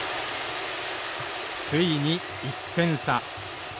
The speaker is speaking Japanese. ついに１点差。